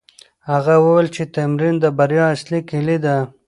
هغه وویل چې تمرين د بریا اصلي کیلي ده.